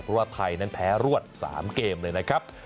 เพราะว่าไทยนั้นแพ้รวด๓เกมเลยนะครับ